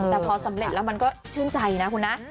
แต่พอสำเร็จแล้วมันก็ชื่นใจนะคุณนะ